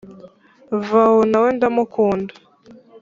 Vawu nawe ndamukunda